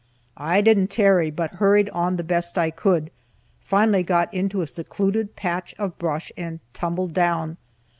I didn't tarry, but hurried on the best I could, finally got into a secluded patch of brush, and tumbled down.